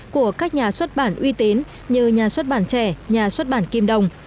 của các nhà xuất bản uy tín như nhà xuất bản trẻ nhà xuất bản kim đồng